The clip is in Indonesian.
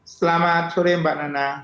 selamat sore mbak nana